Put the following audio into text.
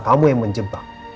kamu yang menjebak